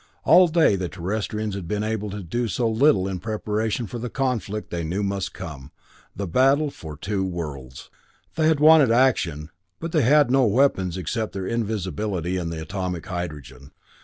All day the Terrestrians had been able to do so little in preparation for the conflict they knew must come, the battle for two worlds. They had wanted action, but they had no weapons except their invisibility and the atomic hydrogen.